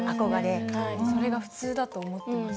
それが普通だと思ってました。